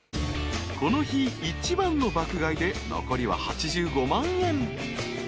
［この日一番の爆買いで残りは８５万円］